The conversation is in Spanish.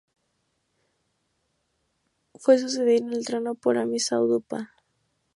Fue sucedido en el trono por Ammi-Saduqa.